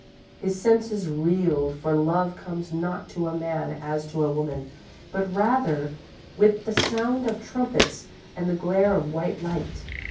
"_ _His senses reeled, for love comes not to a man as to a woman, but rather with the sound of trumpets and the glare of white light.